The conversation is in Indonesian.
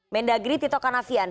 mendagri tito kornavian